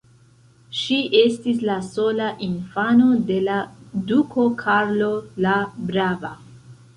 Ŝi estis la sola infano de la duko Karlo la brava.